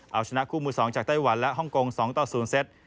เอาชนะคู่มือ๒จากไต้หวันและฮ่องกง๒ต่อ๐เซต